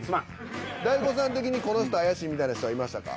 ＤＡＩＧＯさん的にこの人怪しいみたいな人はいましたか？